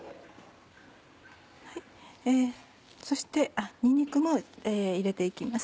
そしてにんにくも入れて行きます。